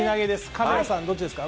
カメラさん、どっちですか？